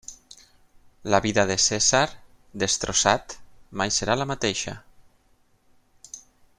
La vida de Cessar, destrossat, mai serà la mateixa.